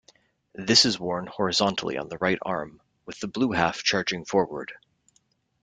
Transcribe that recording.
This is worn horizontally on the right arm with the blue half charging forward.